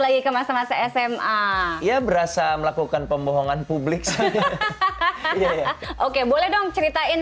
lagi ke masa masa sma ya berasa melakukan pembohongan publik saja hahaha oke boleh dong ceritain